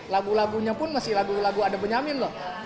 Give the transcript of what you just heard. lagu lagunya pun masih lagu lagu ada benyamin loh